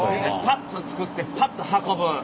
パッと作ってパッと運ぶ。